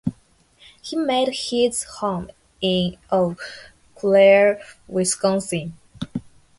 He made his home in Eau Claire, Wisconsin.